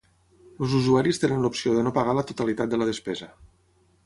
Els usuaris tenen l'opció de no pagar la totalitat de la despesa.